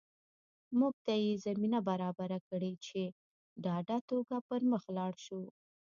موږ ته یې زمینه برابره کړې چې په ډاډه توګه پر مخ لاړ شو